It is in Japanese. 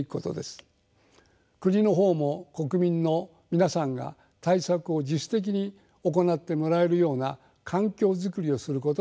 国の方も国民の皆さんが対策を自主的に行ってもらえるような環境作りをすることが必要です。